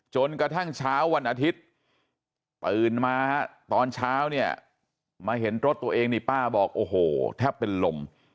จนกระทั่งเช้าวันอาทิตย์ตื่นมาตอนเช้าเนี่ยมาเห็นรถตัวเองนี่ป้าบอกโอ้โหแทบเป็นลม